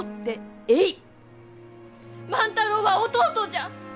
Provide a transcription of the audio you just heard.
万太郎は弟じゃ！